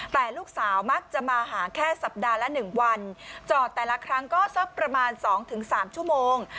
แต่ลูกสาวมักจะมาหาแค่สัปดาห์ละ๑วันจอดแต่ละครั้งก็สักประมาณ๒๓ชั่วโมง